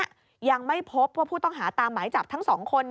ยังไม่พบว่าผู้ต้องหาตามหมายจับทั้ง๒คน